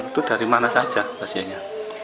itu dari mana saja pasiennya